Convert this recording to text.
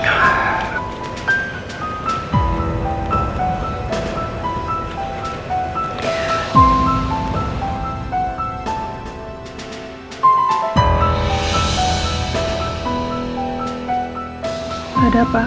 cuma perasaan saya aja ya